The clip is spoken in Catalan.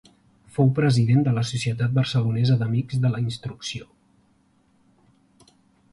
Fou president de la Societat Barcelonesa d'Amics de la Instrucció.